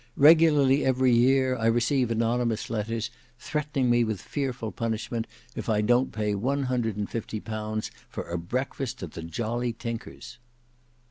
Regularly every year I receive anonymous letters threatening me with fearful punishment if I don't pay one hundred and fifty pounds for a breakfast at the Jolly Tinkers."